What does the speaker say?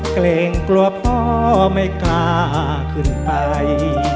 เกรงกลัวพ่อไม่กล้าขึ้นไป